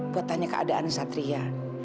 buat tanya keadaan satria